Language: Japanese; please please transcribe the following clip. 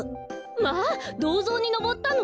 まあどうぞうにのぼったの？